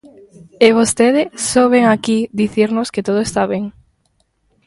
E vostede só vén aquí dicirnos que todo está ben.